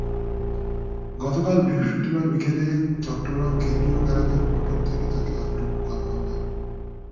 গতকাল বৃহস্পতিবার বিকেলে চট্টগ্রাম কেন্দ্রীয় কারাগার ফটক থেকে তাঁকে আটক করা হয়।